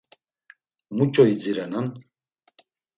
Muç̌o idzirenan?